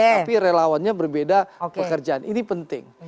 tapi relawannya berbeda pekerjaan ini penting